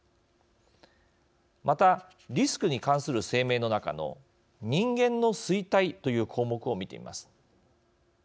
また、リスクに関する声明の中の人間の衰退という項目を見てみます。